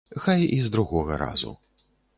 Хай і з другога разу.